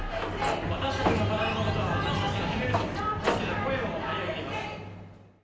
私たちの体のことは私たちが決めると大きな声を張り上げています。